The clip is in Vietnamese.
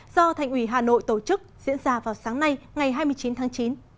do thành ủy hà nội tổ chức diễn ra vào sáng nay ngày hai mươi chín tháng chín